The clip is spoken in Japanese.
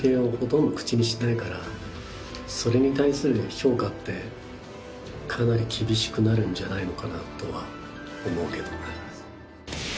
特に僕はもうかなり厳しくなるんじゃないのかなとは思うけどね